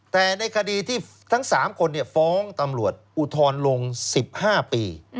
แต่ในคดีที่ทั้ง๓คนฟ้องตำรวจอุทธรณ์ลง๑๕ปี